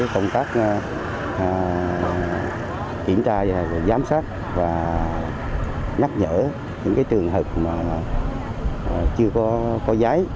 trong các kiểm tra và giám sát và nhắc nhở những trường hợp chưa có giấy